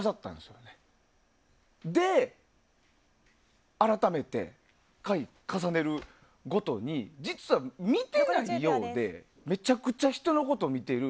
それで、改めて回を重ねるごとに実は見てないようでめちゃくちゃ人のことを見てる。